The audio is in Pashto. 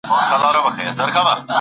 ښکاري و ویل که خدای کول داغه دی